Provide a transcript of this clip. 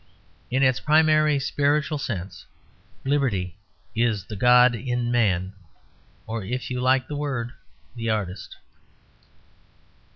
In its primary spiritual sense, liberty is the god in man, or, if you like the word, the artist.